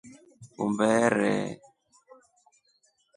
Umberee.